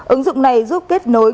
ứng dụng này giúp kết nối